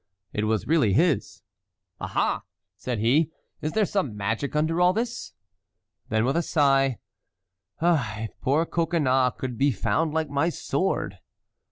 It was really his. "Ah! ah!" said he, "is there some magic under all this?" Then with a sigh, "Ah! if poor Coconnas could be found like my sword!"